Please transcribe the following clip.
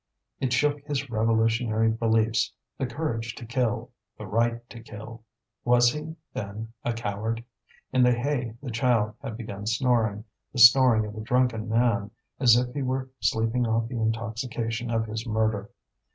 It shook his revolutionary beliefs, the courage to kill, the right to kill. Was he, then, a coward? In the hay the child had begun snoring, the snoring of a drunken man, as if he were sleeping off the intoxication of his murder.